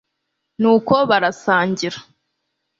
nuko barasangira